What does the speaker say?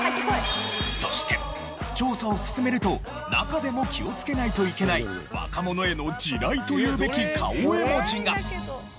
そして調査を進めると中でも気をつけないといけない若者への地雷というべき顔絵文字が。